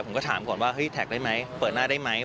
ผมก็ถามก่อนว่าเฮ้ยแท็กได้ไหมเปิดหน้าได้ไหม